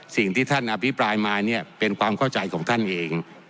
สิ่งที่ท่านอภิปรายมาเนี่ยเป็นความเข้าใจของท่านเอง